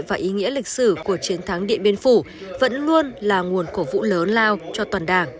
và ý nghĩa lịch sử của chiến thắng điện biên phủ vẫn luôn là nguồn cổ vũ lớn lao cho toàn đảng